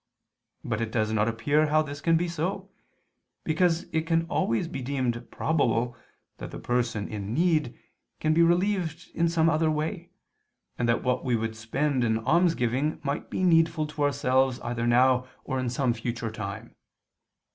But it does not appear how this can be so, because it can always be deemed probable that the person in need can be relieved in some other way, and that what we would spend in almsgiving might be needful to ourselves either now or in some future time.